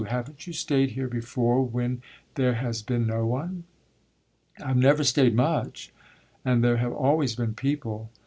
Haven't you stayed here before when there has been no one?" "I've never stayed much, and there have always been people.